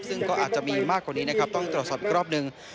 ซึ่งก็อาจจะมีมากกว่านี้นะครับต้องตรวจสอบอีกรอบหนึ่ง